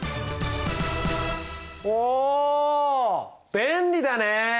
お便利だね。